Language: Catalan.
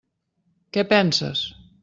Què penses?